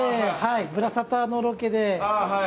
『ぶらサタ』のロケで。